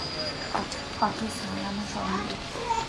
পাথর ছড়ানো সর্বত্র।